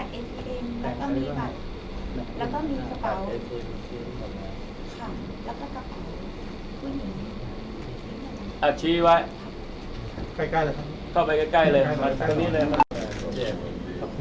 เข้าไปใกล้เลยมาตรงนี้เลย